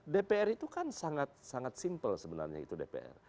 dpr itu kan sangat sangat simpel sebenarnya itu dpr